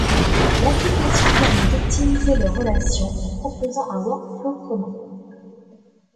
L'application permet d'optimiser leurs relations en proposant un workflow commun.